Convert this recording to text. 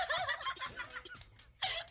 mama pintar deh